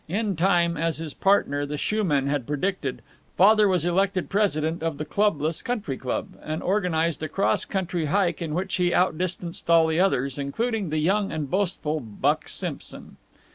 In time, as his partner, the shoeman, had predicted, Father was elected president of the clubless country club, and organized a cross country hike in which he outdistanced all the others, including the young and boastful Buck Simpson.